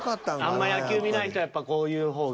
あんま野球見ない人はやっぱこういう方が。